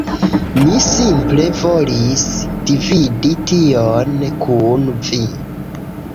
Mi simple volis dividi tion kun vi